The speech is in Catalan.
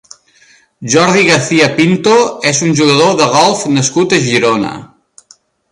Jordi García Pinto és un jugador de golf nascut a Girona.